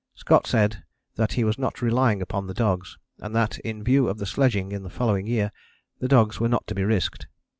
Scott said that he was not relying upon the dogs; and that in view of the sledging in the following year, the dogs were not to be risked.